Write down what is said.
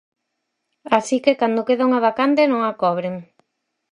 Así que cando queda unha vacante, non a cobren.